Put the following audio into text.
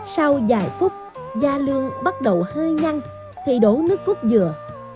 sau vài phút da lương bắt đầu hơi nhăn thì đổ nước cốt dừa